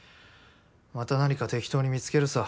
また何か適当に見つけるさ。